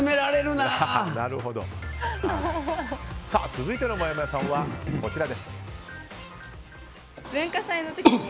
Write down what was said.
続いてのもやもやさんはこちら。